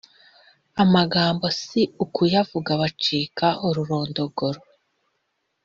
amagambo si ukuyavuga bacika ururondogoro,